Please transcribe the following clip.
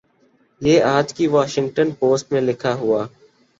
یہ آج کی واشنگٹن پوسٹ میں لکھا ہوا